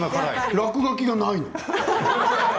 落書きがない。